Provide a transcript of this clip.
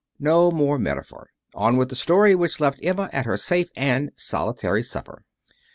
No more metaphor. On with the story, which left Emma at her safe and solitary supper.